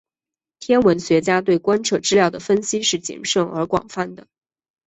天文学家对观测资料的分析是谨慎而广泛的。